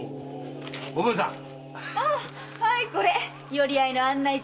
寄合の案内状。